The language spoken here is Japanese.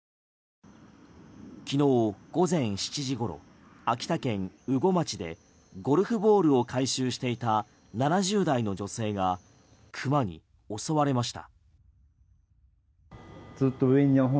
きのう午前７時ごろ秋田県羽後町でゴルフボールを回収していた７０代の女性がクマに襲われました。